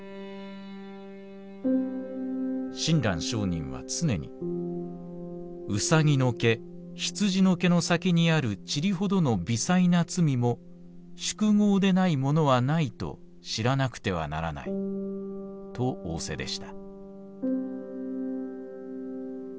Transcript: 「親鸞聖人は常に『卯の毛羊の毛のさきにあるちりほどの微細な罪も宿業でないものはないと知らなくてはならない』とおおせでした」。